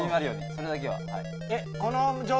それだけははい。